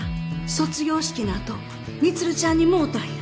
卒業式のあと充ちゃんにもうたんや。